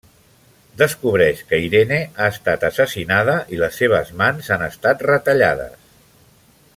Descobreix que Irene ha estat assassinada i les seves mans han estat retallades.